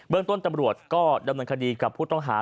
เรื่องต้นตำรวจก็ดำเนินคดีกับผู้ต้องหา